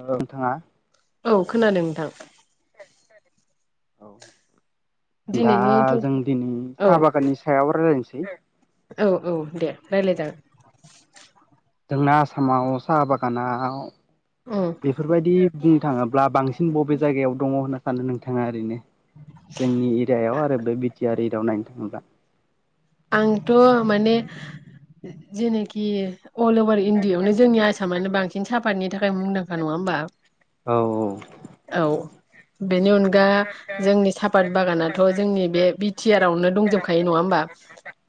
औ नोंथाङा औ खोनादों नोंथां। [inaudible] औ दा दिनैनि जों दिनै औ साहा बागाननि सायाव रायज्लायनोसै औ औ दे रायज्लाय जागोन। जोंना आसामाव साहा बागानाव उम बेफोरबायदि बुंनो थाङो दा बांसिन बबे जायगायाव दङ होनना सानो नोंथाङा ओरैनो जोंनि एरियायाव आरो बे बि टि आर एरियायाव नायनो थाङोब्ला आंथ' माने जेनोखि अल अभार इण्डियावनो जोंनि आसाम मानो बांसिन सापातनि थाखाय मुंदांखा नङा होनोमबा? औ औ औ बेनि अनगा जोंनि सापात बागानाथ' जोंनि बे बि टि आर आवनो दंजोबखायो नङा होमबा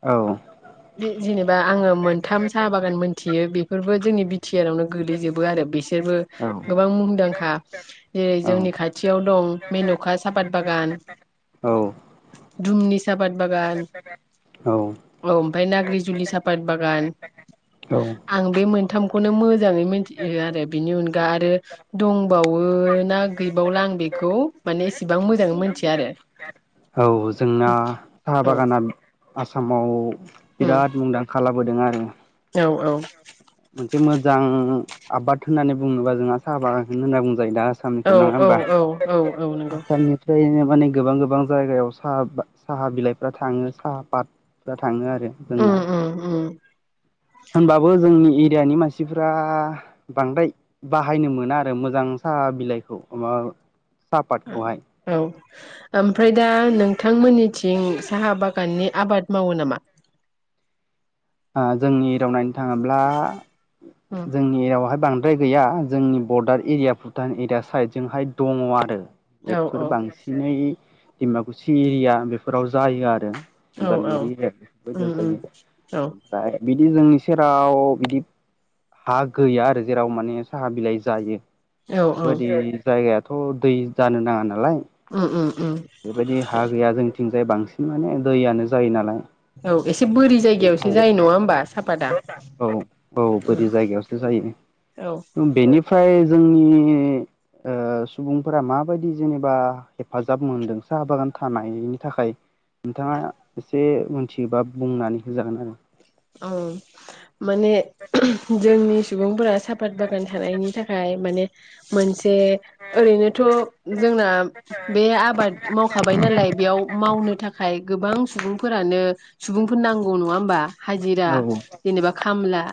औ जेनेबा आङो मोनथाम साहा बागान मोनथियो बेफोरबो जोंनि बि टि आर आवनो गोगलैजोबो आरो बेस फोरो गोबां मुंदांखा जेरै औ जोंनि खाथियाव दं मेन'खा सापाद बागान औ दुमनि सापाद बागान औ औ ओमफ्राय नाग्रिजुलि साफात बागान औ आं बे मोनथामखौनो मोजाङै मिथियो आरो बेनि अनगा आरो दंबावो ना गैबावला आं बेखौ माने एसेबां मोजाङै मोनथिया आरो। [inaudible] औ जोंना साहा औ बागाना आसामाव उम बिराद मुंदां खा लाबोदों आरो औ औ मोनसे मोजां आबाद होननानै बुङोब्ला जोंहा साहा बागखौनो होनना बुंजायो दा आसामनिखौ औ नङा औ होमबा औ औ औ नंगौ आसामनि [unintelligible] माने गोबां गोबां जायगायाव साहा साहा बिलाइफ्रा थाङो साहा पात फ्रा थाङो आरो जोंना उम उम उम होनबाबो जोंनि एरियानि मानसिफ्रा बांद्राय बाहायनो मोना आरो मोजां साहा बिलाइखौ [unintelligible] माबा साहापादखौहाय औ ओमफ्राय दा नोंथांमोन्निथिं साहा बागाननि आबाद मावो नामा? आं जोंनि एरियाव नायनो थाङोब्ला उम जोंनि एरायावहाय बांद्र द्राय गैया जोंनि बरडार एरिया भुटान एरिया साइडजोंहाय दङो आरो औ बेफोर औ बांसिनै डिमाकुसि एरिया बेफोराव जायो आरो औ औ उदालगुरि उम एरियाव उम जायो औ ओमफ्राय बिदि जोंनि सेराव बिदि हा गैया आरो जेराव माने साहा बिलाइ जायो औ औ बेबायदि जायगायाथ' दै जानो नाङा नालाय उम उम उम बेबायदि हा गैया जोंनिथिंजाय बांसिन माने दैयानो जायो नालाय औ एसे बोरि दै जायगायावसो थायो जायो नङा होमबा सापातआ औ औ बोरि जायगायावसो जायो ओम औ बेनिफ्राय जोंनि ओ सुबुंफोरा माबायदि जेनेबा हेफाजाब मोन्दों साहा बागान थानायनि थाखाय नोंथाङा एसे मिथियोबा बुंनानै होजागोन आरो ओं माने जोंनि सुबुंफोरा सापात बागान थानायनि थाखाय माने मोनसे ओरैनोथ' जोंना बे आबाद मावखाबाय नालाय बेयाव मावनो थाखाय गोबां सुबुंफोरानो सुबुंफोर नांगौ नङा होमबा हाजिरा आरो जेनेबा खामला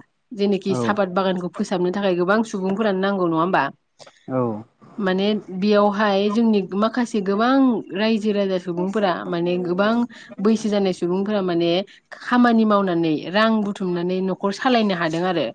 जेनेखि औ सापात बागानखौ फोसाबनो थाखाय गोबां सुबुंफोरानो नांगौ नङा होमबा औ माने बेयावहाय जोंनि माखासे गोबां रायजो राजा सुबुं फोरा गोबां बैसो जानाय सुबुंफोरा माने खामानि माव नानै रां बुथुमनानै न'खर सालायनो हादों आरो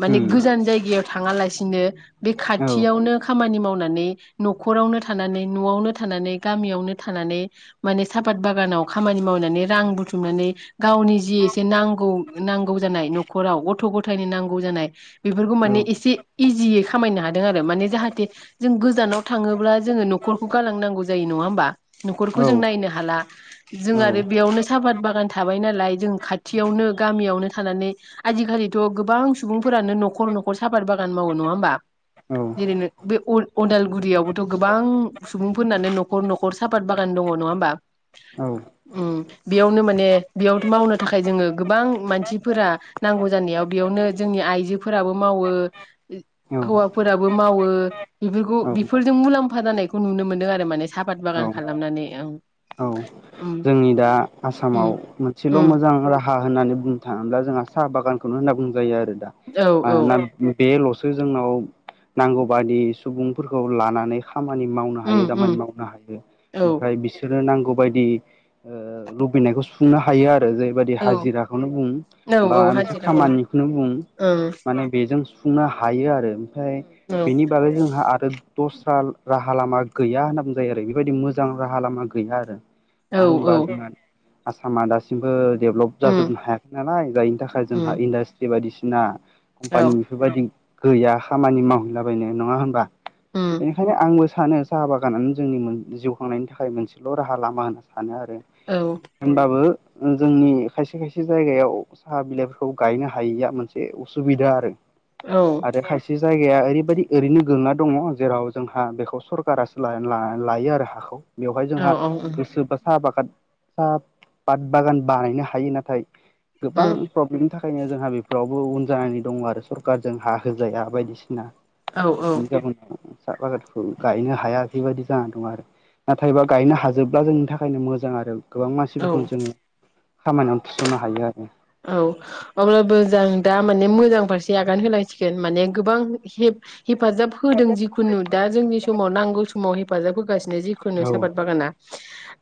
माने उम गोजान जायगायाव थाङालासिनो बे औ खाथियावनो खामानि मावनानै न'खरावनो थानानै न'आवनो थानानै गामियावनो थानानै माने सापात बागानाव खामानि मावनानै रां बुथुमनानै गावनि जि एसे जे नांगौ नांगौ जानाय न'खराव गथ' गथायनो नांगौ जानाय बेफोरखौ औ माने एसे इजियै खामायनो हादों आरो माने जाहाथे जों गोजानाव थाङोब्ला जोङो न'खरखौ गालांनांगौ जायो नङा होमबा न'खरखौ औ जों नायनो हाला जों औ आरो बेयावनो सापात बागान थाबाय नालाय जों खाथियावनो गामियावनो थानानै आजिखालिथ' गोबां सुबुंफोरानो न'खर न'खर साफात बागान मावो नङा होमबा औ जेरैनो बे अ-अदालगुरियावबोथ' गोबां सुबुंफोरनानो न'खर न'खर सापात बागान दङ नङा होमबा औ ओम बेयावनो माने बेयाव मावनो था खाय जोङो गोबां मानसिफोरा नांगौ जानायाव बेयावनो जोंनि आइजोफोराबो मावो औ हौवाफोराबो मावो बेफोरखौ औ बेफोरजों मुलाम्फा जानायखौ नुनो मोन्दों आरो माने सापात बागान औ खालामनानै ओं औ उम जोंनि दा उम आसामाव मोनसेल' उम मोजां रा हा होन्नानै बुंनो थाङोब्ला जोंहा साहा बागानखौनो होन्ना बुंजायो आरो दा औ आ‌ औ नाम बेल'सो जोंनाव नांगौ बादि सुबुंफोरखौ लानानै खामानि मावनो उम हायो उम दामानि मावनो हायो औ ओमफ्राय बिसोरो नांगौ बायदि ओ लुबैनायखौ सुफुंनो हायो आरो जे बेबायदि औ हाजिराखौनो बुं औ बा औ मोनसे हाजिराखौनो खामानिखौनो बुं ओं माने बेजों सुफुंनो हायो आरो ओमफ्राय औ बेनि बागै जोंहा आरो दस्रा राहा लामा गैया होन्ना बुंजायो आरो बेबायदि मोजां राहा लामा गैया आरो औ मानो औ होनबा जोंहा आसामा दासिमबो डेभलप उम जाजोबनो हायाखै नालाय जायनि थाखाय जोंहा उम इन्डास्ट्रि बायदिसिना औ कम्पानि बेफोरबायदि गैया खामानि मावहैलाबायनो नङा होनबा उम बेनिखायनो आंबो सानो साहा बागानानो जोंनि जिउ खांनायनि थाखाय मोनसेल' राहा लामा होनना सानो आरो औ होनोमबाबो जोंनि खायसे खायसे जायगायाव साहा बिलाइफोरखौ गायनो हायैया मोनसे उसुबिदा आरो औ आरो खायसे बे जायगाया ओरैबायदि ओरैनो गोलैनाय दङ जेराव जोंहा बेखौ सरकारासो ला-ला-लायो आरो हाखौ बेवहाय जोंहा औ उम गोसो बा साहा बागाद साहा पात बागान बानायनो हायो नाथाय गोबां उम प्रब्लेमनि थाखायनो जोंहा बेफोराव बो उन जानानै दङ आरो सरखारजों हा होजाया बायदिसिना औ बेफोरनि जावनाव ओम साहा बागानखौ गायनो हाया बेबायदि जानानै दं आरो नाथायबा गायनो हाजोबब्ला जोंनि था थाखायनो मोजां आरो गोबां औ मानसिफोरखौ जोङो खामानियाव थिसननो हायो आरो। औ अब्लाबो जों दा माने मोजां फारसे आगान होनांसिगोन माने गोबां हेब हेफाजाब होदों जिखुनु दा जोंनि समाव नांगौ समाव हेफाजाब होगासिनो जिखु नु औ सापात बागाना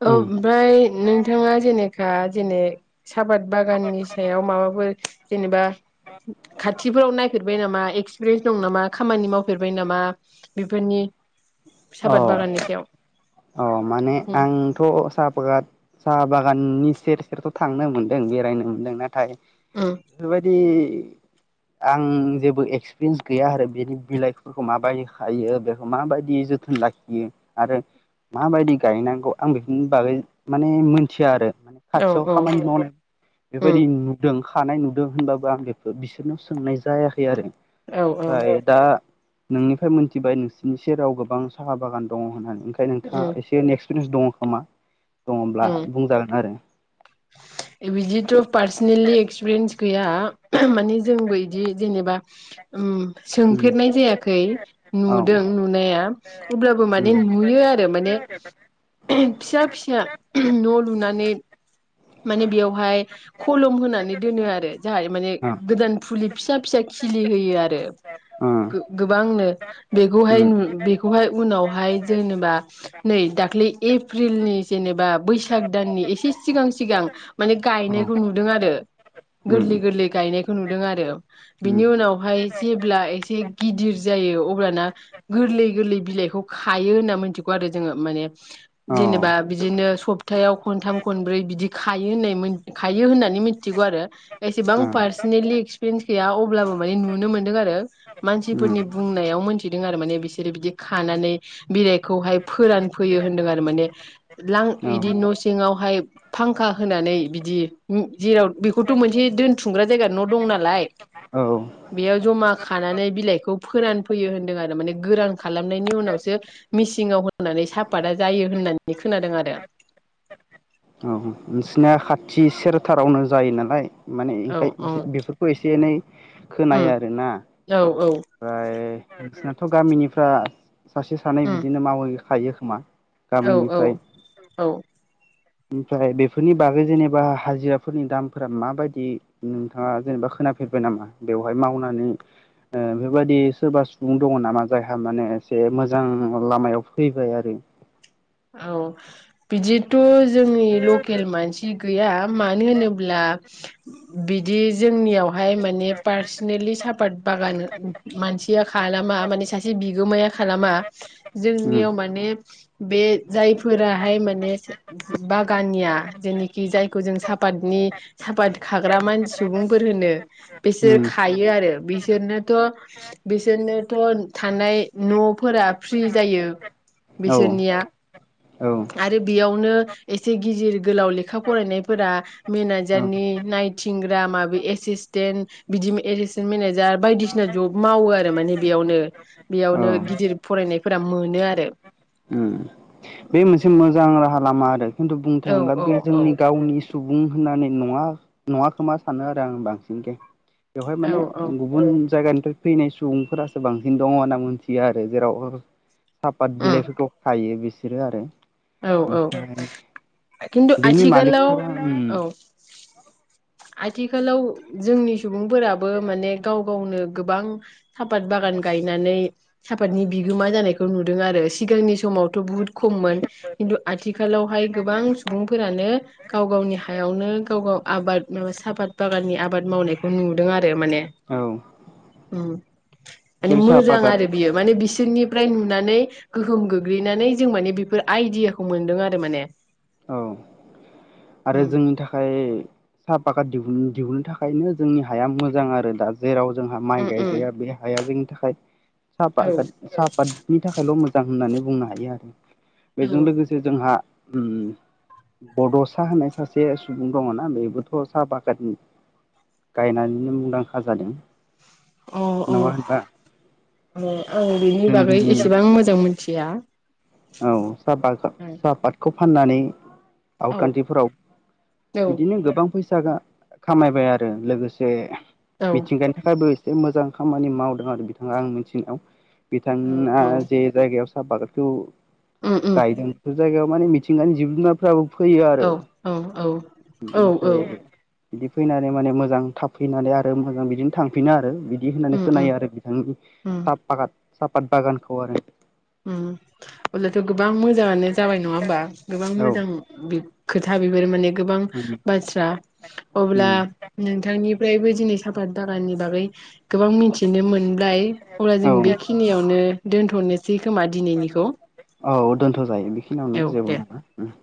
ओ उम ओमफ्राय नोंथाङा जेनेखा जेने साबाद बागाननि सायाव माबाफोर जेनेबा खाथिफोराव नायफेरबाय नामा एक्सपिरिन्स दं नामा खामानि मावफेरबाय नामा बेफोरनि सपात अ बागाननि सायाव। अ माने उम आंथ' साहाफात साहा बागाननि सेर सेरथ' थांनो मोन्दों बेरायनो मोनदों नाथाय ओम बेफोरबायदि आं जेबो एक्सपिरियेन्स गैया आरो बिनि बिलाइ फोरखौ माबायदि हायो बेखौ माबायदि जोथोन लाखियो आरो माबायदि गायनांगौ आं बेफोरनि बागै माने मोनथिया आरो माने औ खाथियाव औ खामानि मावनाय बेबायदि उम नु दों खानाय नुदों होनबाबो आं बेफोर बिसोरनाव सोंनाय जायाखै आरो औ औ ओमफ्राय दा नोंनिफ्राय मोनथिबाय नोंसिनि सेराव गोबां साहा बागान दङ होननानै ओंखायनो उम एसे एक्सपिरियेन्स दङ खोमा दङब्ला उम बुंजागोन आरो। [unintelligible] बिदिथ' पार्सनेलि एक्सपिरियेन्स गैया माने जोंबो बिदि जेनेबा उम उम सोंफेरनाय जायाखै औ नुदों नुनाया अब्लाबो उम माने नुयो आरो माने फिसा फिसा न' लुनानै माने बेयावहाय खलम होनानै दोनो आरो जाहाय माने ओ गोदान फुलि फिसा फिसा खिलि होयो आरो ओ गो-गोबांनो बेखौहाय उम नु बे खौहाय उनावहाय जेनेबा नै दाख्लै एप्रिलनि जेनेबा बैसाग दाननि एसे सिगां आं माने औ गायनायखौ नुदों आरो उम गोरलै गोरलै गायनायखौ नुदों आरो। उम बिनि उनावहाय जेब्ला एसे गिदिर जायो अब्लाना गोरलै गोरलै बिलाइखौ खायो होनना मिथिगौ आरो जोङो माने औ जेनेबा ओ बिदिनो सप्तायाव खनथाम खनब्रै बिदि खायो होननाय मो-खायो होननानै मिथिगौ आरो। एसेबां पार्सनेलि एक्सपिरियेन्स गैया अब्लाबो माने नुनो मोन्दों आरो। उम मानसिफोरनि बुंनायाव मोनथिदों आरो माने बिसोरो बिदि खानानै बिलाइखौहाय फोरानफैयो होनदों आरो माने लां औ बिदि न' सिङावहाय फांखा होनानै बिदि जेराव बेखौथ' मोनसे दोनथुमग्रा जायगा न' दं नालाय [unintelligible] [unintelligible] बेयाव जमा खानानै बिलाइखौ फोरानफैयो होनदों आरो। माने गोरान खालामनायनि उनावसो मिसिंङाव होननानै सापाता जायो होननानै खोनादों आरो। नोंसिनिया खाथि सेरथारावनो जायो नालाय माने औ ओंखाय औ बेफो खौ एसे एनै खोनायो उम आरोना। औ औ नोंसोनाथ' गामिनिफ्रा सासे सानै उम बिदिनो मावहैखायो खोमा औ औ गामिनिफ्राय औ ओमफ्राय बेफोरनि बागै जेनेबा हाजिराफोरनि दामफोरा माबायदि नोंथांङा जेनेबा खोनाफेरबाय नामा? बेवहाय मावनानै ओ बेफोरबायादि सोरबा सुबुं दङ' नामा जायहा माने एसे मोजां लामायाव फैबाय आरो? औ। बिदिथ' जोंनि लकेल मानसि गैया मानो होनोब्ला बिदि जोंनियावहाय माने पार्सनेलि सापात बागान मानसिया खालामा माने सासे बिगोमाया खालामा। उम जोंनियाव माने बे जायफोराहाय माने बागानिया जेनेखि जायखौ जों सापातनि साफात खाग्रा मानसि सुबुंफोर होनो बिसोर उम खायो आरो। बिसोरनोथ' बिसोरनोथ' थानाय न'फोरा फ्रि जायो औ बिसोरनिया। औ आरो बेयावनो एसे गिदिर गोलाव लेखा फरायनायफोरा औ मेनेजारनि नायथिंग्रा माबे एसिसटेन्ट बिदि एस मेनेजार बायदिसिना जब मावो आरो माने बेयावनो। औ बेयावनो गिदिर फरायनायफोरा मोनो आरो। उम बे मोनसे मोजां राहा लामा आरो खिन्थु बुंनो औ थांङोब्ला औ बे औ जोंनि गावनि सुबुं होननानै नंङा नंङा खोमा सानो आरो आं बांसिनखै। बेवहाय औ माने औ गुबुन जायगानिफ्राय फैनाय सुबुंफोरासो बांसिन दंङ' होनना मिथियो आरो। जेराव सापात उम बिलाइफोरखौ खायो बिसोरो आरो। औ औ ओमफ्राय खिन्थु बेनि आथिखालाव मालिकफोरा उम औ आथिखालाव जोंनि सुबुंफोराबो माने गाव गावनो गोबां सापात बागान गायनानै सापातनि बिगोमा जानायखौ नुदों आरो सिगांनि समावथ' बुहुत खममोन। खिन्थु आथिखालावहाय गोबां सुबुंफोरानो गाव गावनि हायावनो गाव गाव आबाद सापत बागाननि आबाद मावनायखौ नुदों आरो माने। औ उम माने जेरै साहा मोजां पागाद आरो बियो। माने बिसोरनि फ्राय नुनानै गोहोम गोग्लैनानै जों माने बेफोर आइदियाखौ मोनदों आरो माने। औ। आरो उम जोंनि थाखाय साहा फाखा दिहुन दिहुननो थाखायनो जोंनि हाया मोजां आरो दा। जेराव जोंहा माइ उम उम गायजाया बे हाया जोंनि थाखाय औ सापागाद साफ पादनि थाखायल' मोजां होननानै बुंनो हायो आरो। बेजों लोगोसे जोंहा उम बड' सा होनाय सासे सुबुं दङ' ना बेबोथ' साहा बागाननि गायनानैनो मुंदांखा जादों। अ अ। नङा होनबा ओ आं बेनि बागै जोंनि एसेबां मोजां मोनथिया। औ साहा बा सापातखौ फाननानै आउट औ कान्टिफोराव बिदिनो गोबां फैसा खामायबाय आरो लोगोसे औ मिथिंगानि थाखायबो एसे मोजां खामानि मावदों आरो बिथांङा आं मिथिनायाव। औ बिथांङा औ जे जायगायाव साहा पाकाटखौ उम उम गायदों बे जायगायाव माने मिथिंगानि जिब जुनारफ्राबो फैयो आरो औ औ औ औ ओमफ्राय बिदि फैनानै माने मोजां थाब फैनानै आरो मोजां बिदिनो थांफिनो आरो बिदि होननानै उम उम खोनायो आरो बिथांनि उम साफागाद साफत बागानखौ आरो उम अब्लाथ' गोबां मोजाङानो जाबाय नङा होमबा गोबां औ मोजां खोथा बेफोर माने गोबां उम बाथ्रा अब्ला उम नोंथांनिफ्रायबो दिनै साफात बागाननि बागै गोबां मिथिनो मोनब्लाय। अब्ला जों औ बेखिनियावनो दोनथ'नोसै खोमा दिनैनिखौ? औ दोनथ' जायो बेखिनियावनो औ दे जेबो नङा उम।